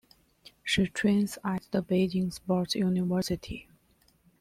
She trains at the Beijing Sports University.